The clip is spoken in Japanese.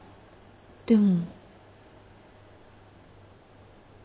でも。